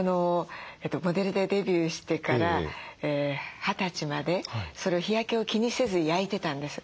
モデルでデビューしてから二十歳まで日焼けを気にせず焼いてたんです。